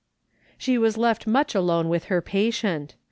She was left much alone with her patient.